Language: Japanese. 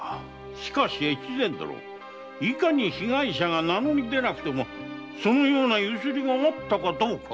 しかし越前殿いかに被害者が名乗りでなくても強請があったかどうかは。